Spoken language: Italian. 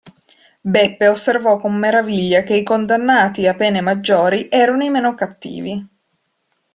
Beppe osservò con meraviglia che i condannati a pene maggiori erano i meno cattivi.